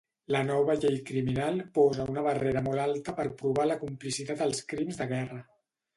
La nova llei criminal posa una barrera molt alta per provar la complicitat als crims de guerra.